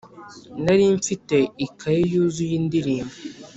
Nari mfite ikayi yuzuye indirimbo,